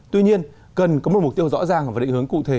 tuy nhiên cần có một mục tiêu rõ ràng và định hướng cụ thể